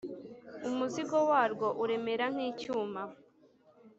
umuzigo warwo uremera nk’icyuma,